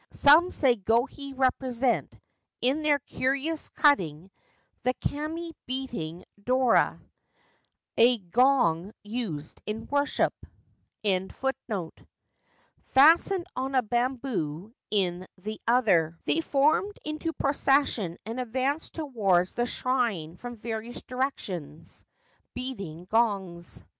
Some say Gohei represent, in their curious cutting, the Kami beating dora, a gong used in worship. 342 WHAT SAOTOME AND TAMAJO FOUND A Festival of the Awabi Fish They formed into procession and advanced towards the shrine from various directions, beating gongs.